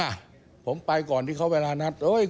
ที่มันก็มีเรื่องที่ดิน